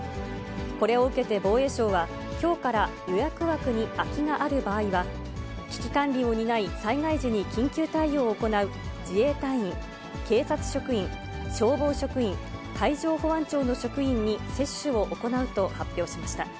これを受けて防衛省は、きょうから予約枠に空きがある場合は、危機管理を担い、災害時に緊急対応を行う自衛隊員、警察職員、消防職員、海上保安庁の職員に接種を行うと発表しました。